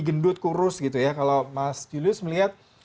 gendut kurus kalau mas julius melihat